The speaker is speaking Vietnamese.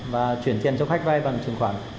và chuyển tiền cho khách vai bằng chuyển khoản